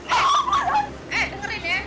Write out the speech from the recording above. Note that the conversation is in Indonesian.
eh dengerin ya